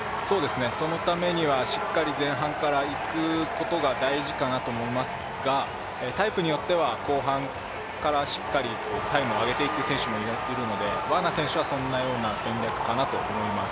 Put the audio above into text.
そのためにはしっかり前半からいくことが大事かなと思いますが、タイプによっては後半からしっかりタイムを上げていくという選手もいるのでワーナー選手はそんなような戦略かなと思います。